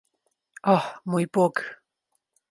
Oh, moj bog.